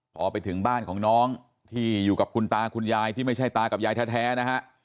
พอไปถึงบ้านของน้องที่อยู่กับคุณตาคุณยายที่ไม่ใช่ตากับยายแท้นะฮะ